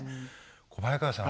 小早川さん